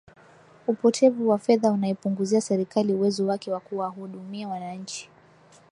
Upotevu wa fedha unaipunguzia Serikali uwezo wake wa kuwahudumia wananchi